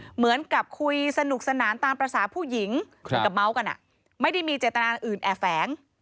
เหมือนกับคุยสนุกสนานตามภาษาผู้หญิงเหมือนกับเมาส์กันไม่ได้มีเจตนาอื่นแอบแฝง